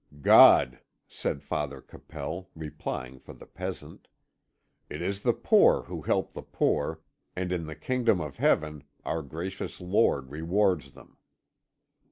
"God," said Father Capel, replying for the peasant. "It is the poor who help the poor, and in the Kingdom of Heaven our Gracious Lord rewards them."